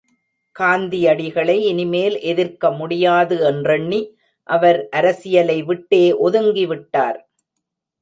காந்தியடிகளை இனிமேல் எதிர்க்க முடியாது என்றெண்ணி அவர் அரசியலை விட்டே ஒதுங்கிவிட்டார்.